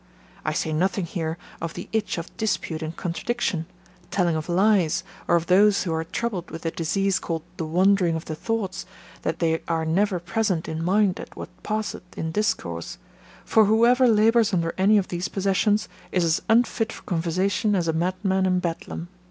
I say nothing here of the itch of dispute and contradiction, telling of lies, or of those who are troubled with the disease called the wandering of the thoughts, that they are never present in mind at what passeth in discourse; for whoever labours under any of these possessions, is as unfit for conversation as a madman in Bedlam.